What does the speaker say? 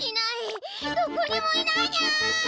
どこにもいないにゃあ！